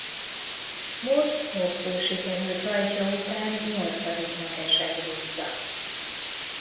Moss rosszul sikerült rajtja után nyolcadiknak esett vissza.